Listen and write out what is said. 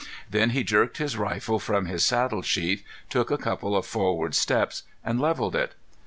Then he jerked his rifle from his saddle sheath, took a couple of forward steps, and leveled it.